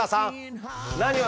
何を？